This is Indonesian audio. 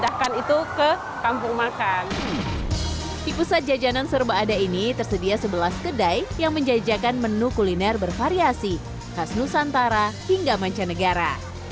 di pusat jajanan serba ada ini tersedia sebelas kedai yang menjajakan menu kuliner bervariasi khas nusantara hingga mancanegara